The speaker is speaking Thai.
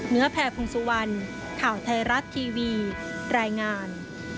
เนื้อแผ่ภูมิสุวรรณข่าวไทยรัฐทีวีรายงาน